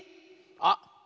あっ